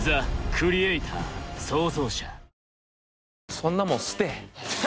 「そんなもん捨てえ」。